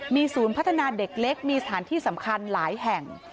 มีศูนย์พัฒนาเด็กเล็กมีสถานที่สำคัญหลายแห่ง